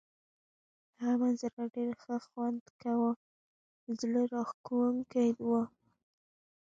هغه منظره ډېر ښه خوند کاوه، زړه راښکونکې وه.